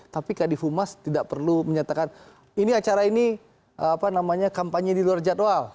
tapi kadif humas tidak perlu menyatakan ini acara ini kampanye di luar jadwal